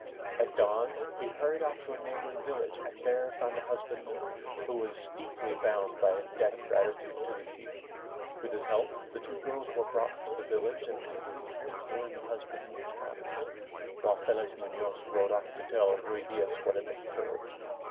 At dawn he hurried off to a neighboring village and there found a husbandman who was deeply bound by a debt of grati tude to the Cid. With his help the two girls were brought to the village and tenderly cared for in the husbandman's cottage, while Felez Munoz rode off to tell Ruy Diaz what had occurred.